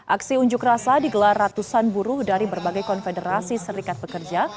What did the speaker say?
aksi unjuk rasa digelar ratusan buruh dari berbagai konfederasi serikat pekerja